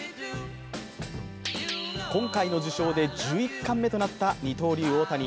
今回の受賞で１１冠目となった二刀流、大谷。